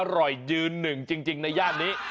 อร่อยหนึ่งจริงในย่านนี้